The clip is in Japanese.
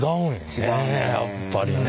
ねえやっぱりね。